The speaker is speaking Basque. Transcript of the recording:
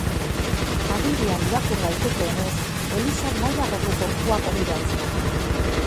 Agirian irakur daitekeenez, elizak nahiago du gorpuak hobiratzea.